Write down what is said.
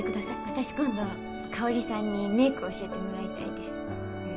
私今度香さんにメイク教えてもらいたいです。え？